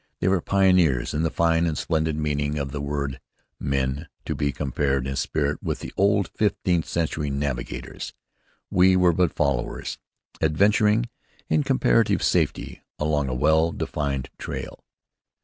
They were pioneers in the fine and splendid meaning of the word men to be compared in spirit with the old fifteenth century navigators. We were but followers, adventuring, in comparative safety, along a well defined trail.